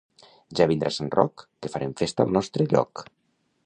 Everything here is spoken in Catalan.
Ja vindrà Sant Roc, que farem festa al nostre lloc.